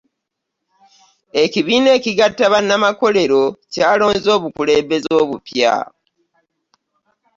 Ekibiina ekigatta bannamakolero kyalonze obukulembeze obupya.